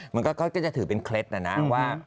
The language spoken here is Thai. มันก็จะถือเป็นเคล็ดนะนะว่า